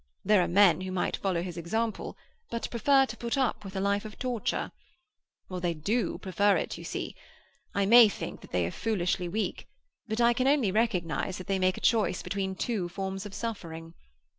There are men who might follow his example, but prefer to put up with a life of torture. Well, they do prefer it, you see. I may think that they are foolishly weak, but I can only recognize that they make a choice between two forms of suffering.